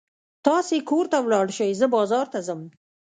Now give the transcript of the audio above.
تاسې کور ته ولاړ شئ، زه بازار ته ځم.